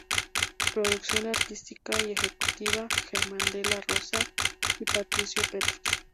Producción artística y ejecutiva: Germán Della Rossa y Patricio Petros.